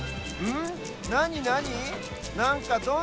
ん？